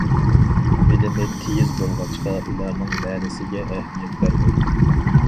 بىلىمى تېيىز بولغاچقا، ئۇلارنىڭ مەنىسىگە ئەھمىيەت بەرمەيدۇ.